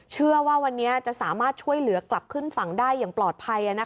เชื่อว่าวันนี้จะสามารถช่วยเหลือกลับขึ้นฝั่งได้อย่างปลอดภัย